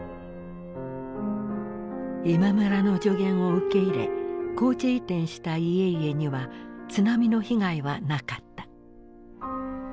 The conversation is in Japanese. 今村の助言を受け入れ高地移転した家々には津波の被害はなかった。